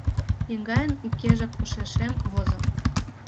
Еҥгайын укежак ушешем возо.